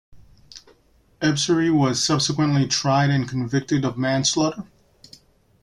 Ebsary was subsequently tried and convicted of manslaughter.